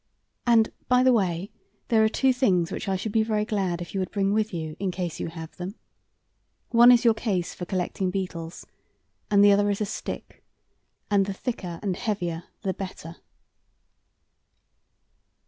And, by the way, there are two things which I should be very glad if you would bring with you, in case you have them. One is your case for collecting beetles, and the other is a stick, and the thicker and heavier the better."